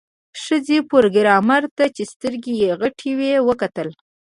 ښځې پروګرامر ته چې سترګې یې غټې وې وکتل